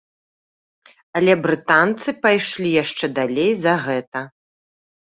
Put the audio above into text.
Але брытанцы пайшлі яшчэ далей за гэта.